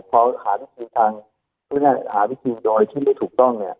พอหาวิธีทางพูดง่ายหาวิธีโดยที่ไม่ถูกต้องเนี่ย